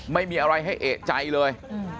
ไม่มีอะไรให้เอกใจเลย